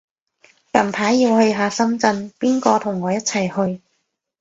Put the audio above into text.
近排要去下深圳，邊個同我一齊去